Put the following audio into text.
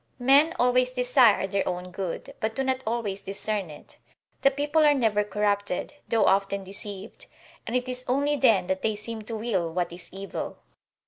Men always desire their own good, but do not always discern it; the people are never corrupted, though often deceived, and it is only then that they seem to will what is evil.